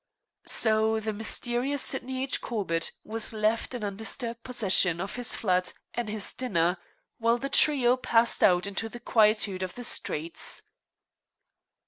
So the mysterious Sydney H. Corbett was left in undisturbed possession of his flat and his dinner, while the trio passed out into the quietude of the streets.